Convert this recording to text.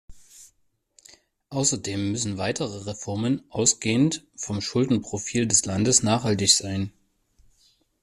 Außerdem müssen weitere Reformen ausgehend vom Schuldenprofil des Landes nachhaltig sein.